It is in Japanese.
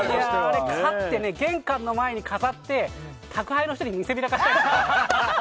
勝って、玄関の前に飾って宅配の人に見せびらかしたいですね。